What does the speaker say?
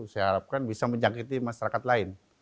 saya harapkan bisa menjangkiti masyarakat lain